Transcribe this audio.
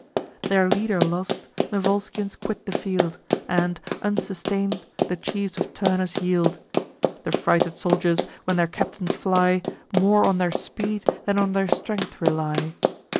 Their leader lost, the Volscians quit the field, And, unsustain'd, the chiefs of Turnus yield. The frighted soldiers, when their captains fly, More on their speed than on their strength rely.